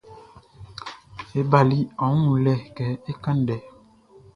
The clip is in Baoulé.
E bali ɔ wun wunlɛ kɛ é kán ndɛ.